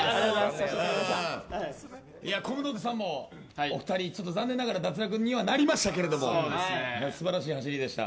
コムドットさんもお二人残念ながら脱落にはなりましたが素晴らしい走りでした。